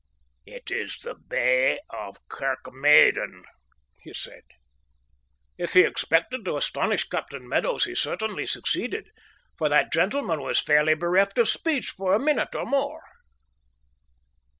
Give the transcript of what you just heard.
"It is the Bay of Kirkmaiden," he said. If he expected to astonish Captain Meadows he certainly succeeded, for that gentleman was fairly bereft of speech for a minute or more.